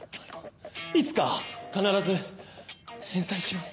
いつか必ず返済します。